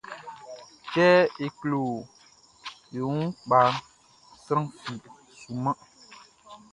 Kɛ e klo e wun kpaʼn, sran fi sunman.